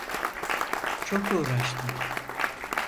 Çok uğraştım.